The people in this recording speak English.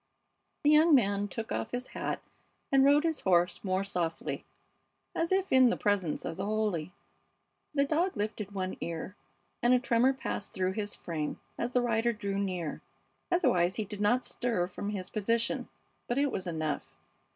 The young man took off his hat and rode his horse more softly, as if in the presence of the holy. The dog lifted one ear, and a tremor passed through his frame as the rider drew near; otherwise he did not stir from his position; but it was enough.